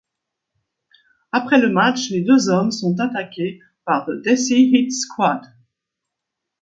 Après le match, les deux hommes sont attaqués par The Desi Hit Squad.